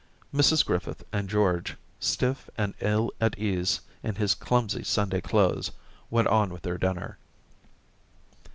... Mrs Griffith and George, stiff and ill at ease in his clumsy Sunday clothes, went on with their dinner.